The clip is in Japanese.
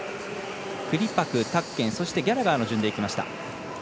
クリパク、タッケンギャラガーの順でいきました。